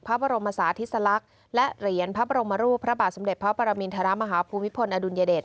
พระบรมศาธิสลักษณ์และเหรียญพระบรมรูปพระบาทสมเด็จพระปรมินทรมาฮาภูมิพลอดุลยเดช